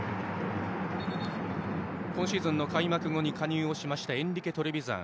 今シーズン開幕後に加入をしましたエンリケ・トレヴィザン。